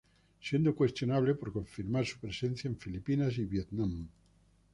Siendo cuestionable, por confirmar, su presencia en Filipinas y Vietnam.